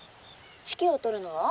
「指揮を執るのは？」。